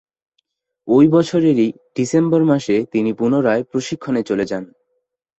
ঐ বছরেরই ডিসেম্বর মাসে তিনি পুনরায় প্রশিক্ষণে চলে যান।